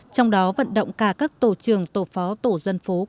trong đó vận động cả các tổ trường tổ phó tổ dân phố